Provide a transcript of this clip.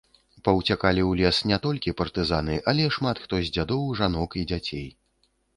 Паўцякалі ў лес не толькі партызаны, але шмат хто з дзядоў, жанок і дзяцей.